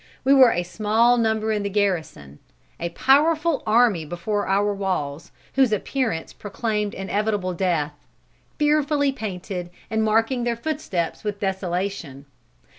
We were a small number in the garrison; a powerful army before our walls, whose appearance proclaimed inevitable death; fearfully painted and marking their footsteps with desolation.